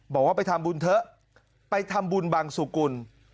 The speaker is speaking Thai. บอกว่าไปทำบุญเถอะไปทำบุญบังสุกุล